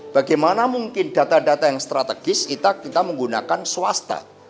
bagaimana mungkin data data yang strategis kita menggunakan swasta